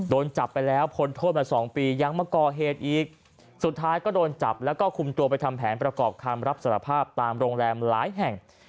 โดนจับไปแล้วพ้นโทษมาสองปียังมาก่อเหตุอีกสุดท้ายก็โดนจับแล้วก็คุมตัวไปทำแผนประกอบคำรับสารภาพตามโรงแรมหลายแห่ง